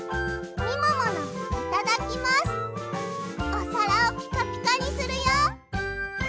おさらをピカピカにするよ！